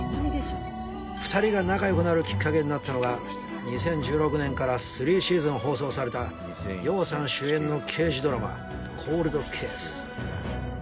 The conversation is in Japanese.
２人が仲良くなるきっかけになったのは２０１６年から３シーズン放送された羊さん主演の刑事ドラマ『コールドケース』。